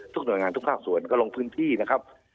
หน่วยงานทุกภาคส่วนก็ลงพื้นที่นะครับ